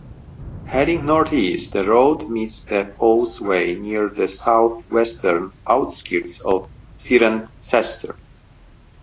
Heading northeast, the road meets the Fosse Way near the southwestern outskirts of Cirencester.